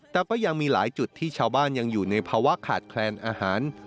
แต่ก็ยังมีหลายจุดที่ชาวบ้านยังอยู่ในภาวะขาดแคลนอาหาร